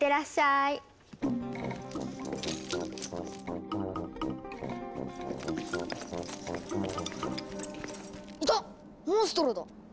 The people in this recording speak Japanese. いたモンストロだ！